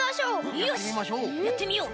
よしやってみよう！